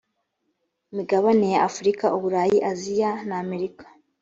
migabane ya afurika uburayi aziya na amerika